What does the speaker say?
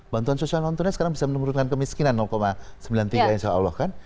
bantuan sosial non tunai sekarang bisa menurunkan kemiskinan sembilan puluh tiga insya allah kan